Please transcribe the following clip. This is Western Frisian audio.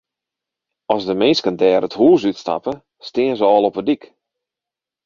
As de minsken dêr it hûs út stappe, stean se al op de dyk.